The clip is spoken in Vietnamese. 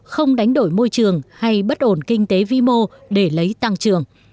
không đánh đổi môi trường hay bất ổn kinh tế vĩ mô để lấy tăng trưởng